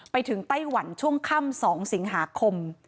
ไปถึงไต้หวันช่วงค่ำ๒ศูนย์หาคม